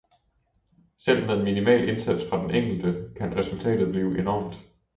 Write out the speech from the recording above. selv med en minimal indsats fra den enkelte, kan resultatet blive enormt.